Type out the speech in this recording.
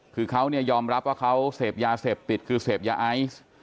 คือเขาเนี่ยยอมรับว่าเขาเสพยาเสพติดคือเสพยาไอซ์